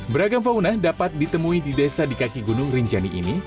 beragam fauna dapat ditemui di desa di kaki gunung rinjani ini